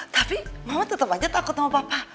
tapi mama tetap aja takut sama papa